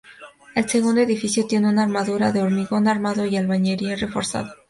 El segundo edificio tiene una armadura de hormigón armado y albañilería reforzada.